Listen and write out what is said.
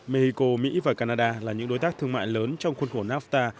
mexico mỹ và canada là những đối tác thương mại lớn trong khuôn khổ nafta